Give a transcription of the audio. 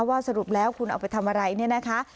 สรุปแล้วคุณเอาไปทำอะไรเนี่ยนะคะ